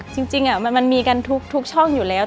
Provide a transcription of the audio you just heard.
จริงมันมีกันทุกช่องอยู่แล้ว